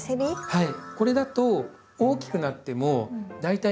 はい。